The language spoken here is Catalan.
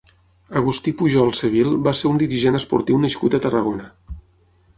Agustí Pujol Sevil va ser un dirigent esportiu nascut a Tarragona.